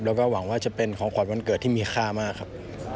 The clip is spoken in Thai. แล้วก็หวังว่าจะเป็นของขวัญวันเกิดที่มีค่ามากครับ